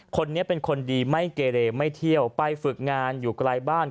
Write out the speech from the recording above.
คนนี้เป็นคนดีไม่เกเรไม่เที่ยวไปฝึกงานอยู่ไกลบ้าน